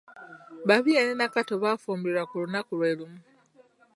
Babirye ne Nakato baafumbirwa ku lunaku lwe lumu.